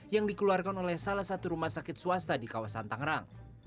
yang dikeluarkan oleh salah satu rumah sakit swasta di kawasan tangerang